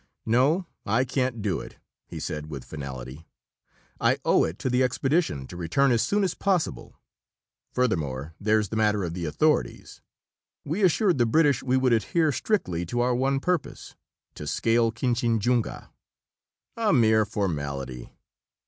"No, I can't do it," he said with finality. "I owe it to the expedition to return as soon as possible. Furthermore, there's the matter of the authorities. We assured the British we would adhere strictly to our one purpose to scale Kinchinjunga." "A mere formality."